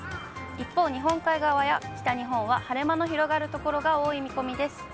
一方、日本海側や北日本は晴れ間の広がる所が多い見込みです。